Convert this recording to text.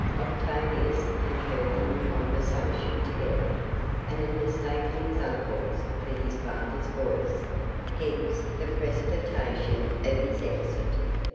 Octavius had heard them in conversation together, and had mistaken his uncle's for his father's voice. Hence the precipitation of his exit.